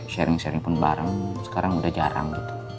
sharing sharing pun bareng sekarang udah jarang gitu